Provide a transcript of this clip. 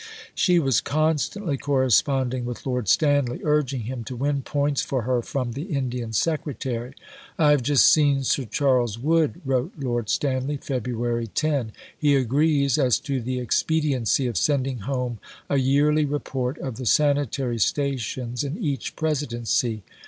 She was constantly corresponding with Lord Stanley, urging him to win points for her from the Indian Secretary. "I have just seen Sir Charles Wood," wrote Lord Stanley (Feb. 10). "He agrees as to the expediency of sending home a yearly report of the sanitary stations in each Presidency."